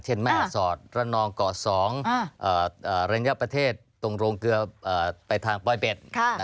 แม่สอดระนองเกาะ๒ระยะประเทศตรงโรงเกลือไปทางปลอยเป็ด